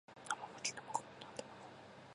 七生麦七生米七生卵